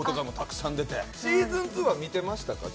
ちなみにシーズン２は見てましたか？